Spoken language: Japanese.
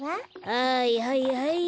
はいはいはい。